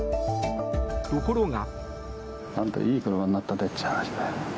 ところが。